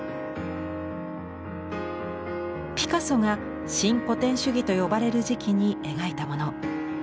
ピカソが新古典主義と呼ばれる時期に描いたもの。